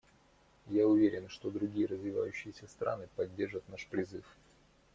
Я уверен, что другие развивающиеся страны поддержат наш призыв.